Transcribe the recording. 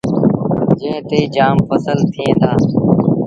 جݩهݩ تي جآم ڦسل ٿئيٚݩ دآ۔